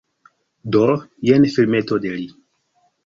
Do, jen filmeto de li!